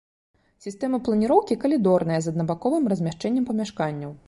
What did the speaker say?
Сістэма планіроўкі калідорная з аднабаковым размяшчэннем памяшканняў.